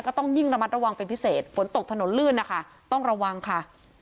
ก็ต้องยิ่งระมัดระวังเป็นพิเศษฝนตกถนนลื่นนะคะต้องระวังค่ะ